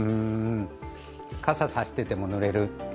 傘を差していても濡れる？